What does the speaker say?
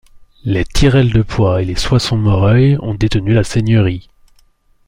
Les Tirel de Poix et les Soissons-Moreuil ont détenu la seigneurie.